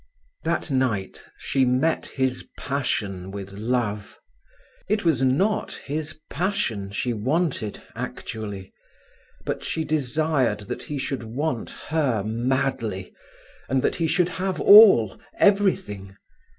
That night she met his passion with love. It was not his passion she wanted, actually. But she desired that he should want her madly, and that he should have all—everything.